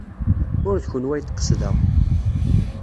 Ur d kenwi ay d-qesdeɣ.